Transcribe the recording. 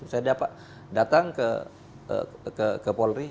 saya datang ke polri